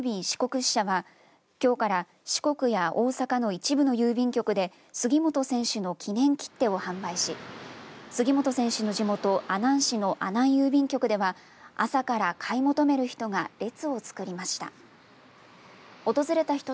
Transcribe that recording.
四国支社はきょうから四国や大阪の一部の郵便局で杉本選手の記念切手を販売し杉本選手の地元阿南市の阿南郵便局では朝から買い求める人が列を作りました。